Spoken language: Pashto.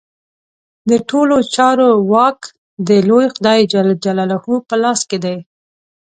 د ټولو چارو واک د لوی خدای جل جلاله په لاس کې دی.